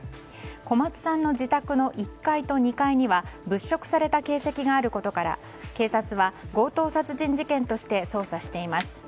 小松さんの自宅の１階と２階には物色された形跡があることから警察は強盗殺人事件として捜査しています。